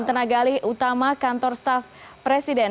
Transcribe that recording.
tenagali utama kantor staff presiden